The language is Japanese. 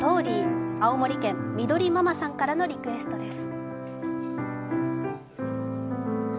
青森県、みどりママさんからのリクエストです。